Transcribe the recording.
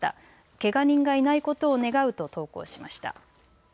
けが人がいないことを願うと投稿しました。